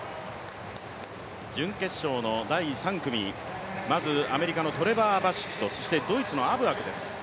準決勝の第３組、まずアメリカのトレバー・バシット、そしてドイツのアブアクです。